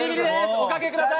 おかけください。